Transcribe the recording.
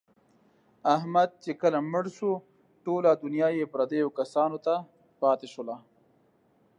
احمد چې کله مړ شو، ټوله دنیا یې پردیو کسانو ته پاتې شوله.